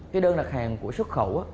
cái đơn đặt hàng của xuất khẩu